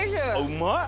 うまい。